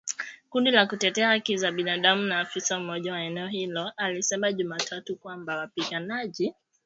Kundi la kutetea haki za binadamu na afisa mmoja wa eneo hilo alisema Jumatatu kwamba wapiganaji